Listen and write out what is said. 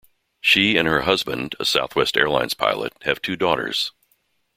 She and her husband, a Southwest Airlines pilot, have two daughters.